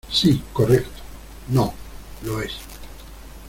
Sí, correcto. No , lo es .